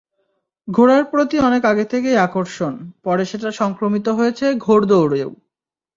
ঘোড়ার প্রতি অনেক আগে থেকেই আকর্ষণ, পরে সেটা সংক্রমিত হয়েছে ঘোড়দৌড়েও।